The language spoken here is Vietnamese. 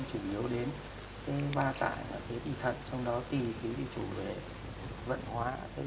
đông y quan tâm chủ yếu đến cái ba tạng là phế đi thận trong đó tì khí đi chủ về vận hóa